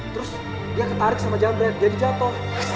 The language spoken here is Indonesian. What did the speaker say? terus dia ketarik sama jamret jadi jatoh